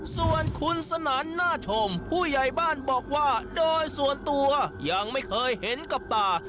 ส่วนคุณสนานหน้าชมผู้ใหญ่บ้านบอกว่าโดยส่วนตัวยังไม่เคยเห็นกับตา